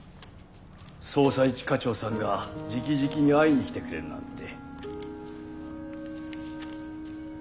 捜査一課長さんがじきじきに会いに来てくれるなんて。